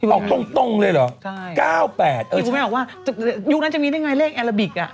ออกตรงตรงเลยเหรอใช่เก้าแปดเออใช่ที่คุณแม่ออกว่ายุคนั้นจะมีได้ไงเลขอาราบิกอ่ะ